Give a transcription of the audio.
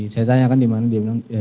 saya tanyakan di mana dia bilang